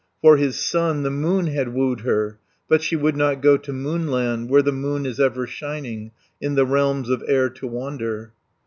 For his son, the Moon had wooed her, But she would not go to Moonland, Where the Moon is ever shining, In the realms of air to wander.